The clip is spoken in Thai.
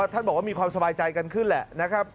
ท่านบอกว่ามีความสบายใจกันขึ้นแหละนะครับ